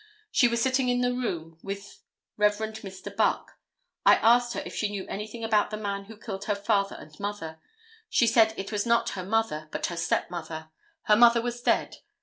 She was sitting in the room with Rev. Mr. Buck. I asked her if she knew anything about the man who killed her father and mother? She said it was not her mother, but her step mother. Her mother was dead.